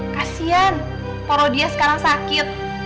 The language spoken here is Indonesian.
kasian taruh dia sekarang sakit